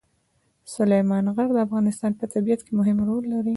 سلیمان غر د افغانستان په طبیعت کې مهم رول لري.